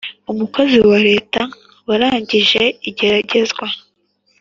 Umukozi wa leta warangije igeragezwa